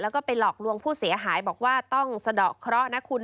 แล้วก็ไปหลอกลวงผู้เสียหายบอกว่าต้องสะดอกเคราะห์นะคุณ